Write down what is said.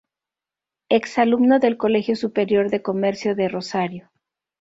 Ex alumno del Colegio Superior de Comercio de Rosario.